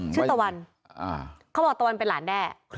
ตะวันเขาบอกตะวันเป็นหลานแด้